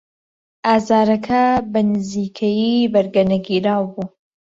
ئازارەکە بەنزیکەیی بەرگەنەگیراو بوو.